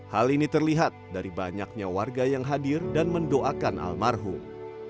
hal ini terlihat dari banyaknya warga yang hadir dan mendoakan almarhum